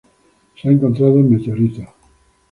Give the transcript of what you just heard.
Se ha encontrado en meteoritos.